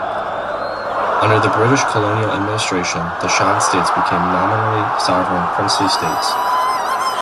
Under the British colonial administration, the Shan States became nominally sovereign princely states.